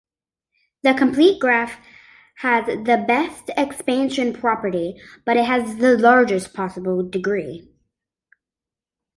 The complete graph has the best expansion property, but it has largest possible degree.